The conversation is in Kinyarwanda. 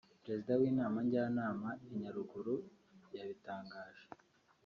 Perezida w’inama Njyanama ya Nyaruguru yabitangaje